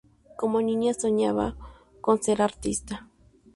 Como niña soñaba con ser artista.